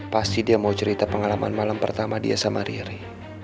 pasti dia mau cerita pengalaman malam pertama dia sama riri